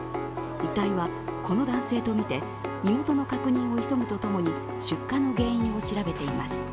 遺体はこの男性とみて身元の確認を急ぐとともに出火の原因を調べています。